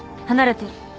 離れて。